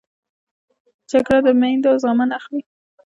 جګړه د میندو زامن اخلي